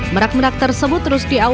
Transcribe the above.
merak merak tersebut terus berkembang